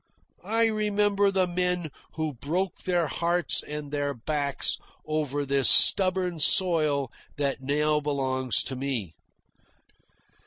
I remember the men who broke their hearts and their backs over this stubborn soil that now belongs to me.